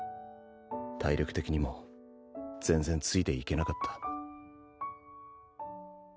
体力的にも全然ついていけなかった。